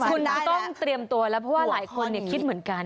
พี่เช่นนี้ต้องเตรียมตัวละเพราะว่าหลายคนคิดเหมือนกัน